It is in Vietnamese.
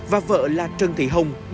và vợ là trần thị hồng